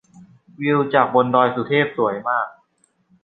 วิวจากบนดอยสุเทพสวยมาก